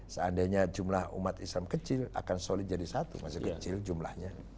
seandainya jumlah umat islam kecil akan solid jadi satu masih kecil jumlahnya